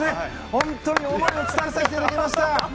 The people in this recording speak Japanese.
本当に思いを伝えさせていただきました！